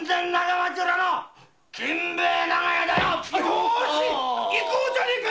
よし行こうじゃねぇか。